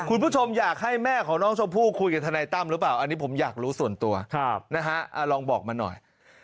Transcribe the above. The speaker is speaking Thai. คุณผู้ชมอยากให้แม่ของน้องชมพู่คุยกับทนายตั้มหรือเปล่าอันนี้ผมอยากรู้ส่วนตัวนะฮะลองบอกมาหน่อย